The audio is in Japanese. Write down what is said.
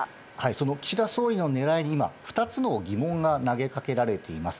その岸田総理のねらいに今、２つの疑問が投げかけられています。